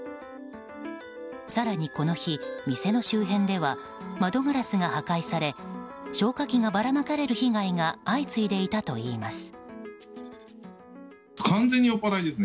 更にこの日、店の周辺では窓ガラスが破壊され消火器がばらまかれる被害が相次いでいたといいます。